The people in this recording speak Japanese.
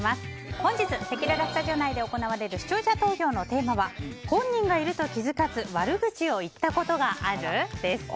本日せきららスタジオ内で行われる視聴者投票のテーマは本人がいると気づかず悪口を言ったことがある？です。